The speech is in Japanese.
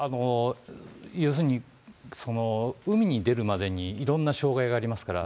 要するに、海に出るまでにいろんな障害がありますから。